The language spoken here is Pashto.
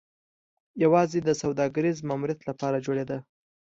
یوازې د سوداګریز ماموریت لپاره جوړېده.